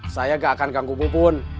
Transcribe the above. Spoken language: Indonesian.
saya gak akan ganggu bu bun